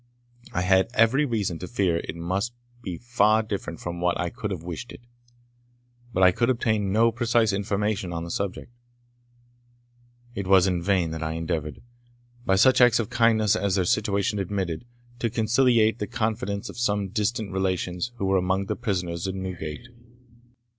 I had every reason to fear it must be far different from what I could have wished it. But I could obtain no precise information on the subject. It was in vain that I endeavoured, by such acts of kindness as their situation admitted, to conciliate the confidence of some distant relations who were among the prisoners in Newgate.